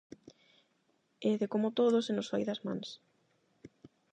E de como todo se nos foi das mans.